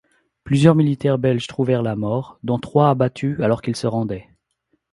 Plusieurs militaires belges trouvèrent la mort, dont trois abattus alors qu'ils se rendaient.